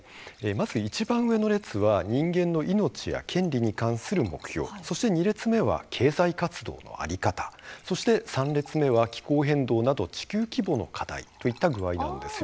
まず、いちばん上の列は人間の命や権利に関する目標そして２列目は経済活動の在り方そして３列目は気候変動など地球規模の課題といった具合なんです。